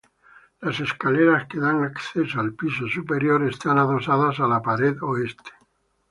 Las escaleras que dan acceso al piso superior están adosadas a la pared oeste.